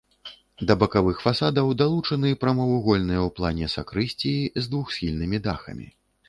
Да бакавых фасадаў далучаны прамавугольныя ў плане сакрысціі з двухсхільнымі дахамі.